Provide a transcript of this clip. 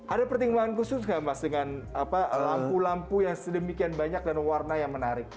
ada pertimbangan khusus nggak mas dengan lampu lampu yang sedemikian banyak dan warna yang menarik